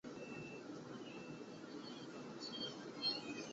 滚兔岭遗址位于黑龙江省双鸭山市集贤县福利镇福兴村东南的滚兔岭上。